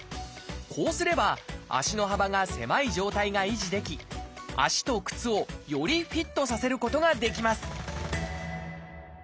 こうすれば足の幅が狭い状態が維持でき足と靴をよりフィットさせることができます